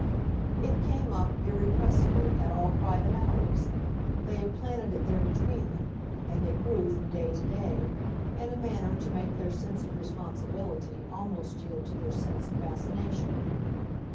It came up, irrepressibly, at all private hours; they had planted it there between them, and it grew, from day to day, in a manner to make their sense of responsibility almost yield to their sense of fascination.